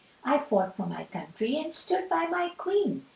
I fought for my country and stood by my Queen.